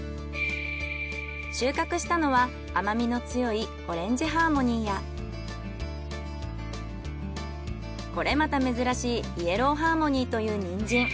収穫したのは甘みの強いこれまた珍しいイエローハーモニーというニンジン。